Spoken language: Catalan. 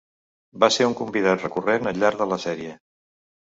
Va ser un convidat recurrent al llarg de la sèrie.